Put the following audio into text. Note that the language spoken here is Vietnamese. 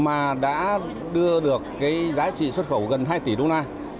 mà đã đưa được cái giá trị xuất khẩu gần hai tỷ đô la